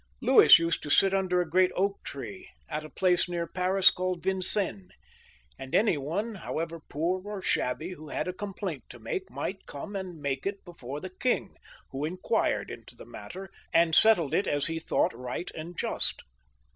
Louis used to sit under a great oak tree at a place near Paris called Vincennes, and any one, however poor or shabby, who had a complaint to make, might come and make it before the king, who inquired into the matter, and settled it as he thought right and just.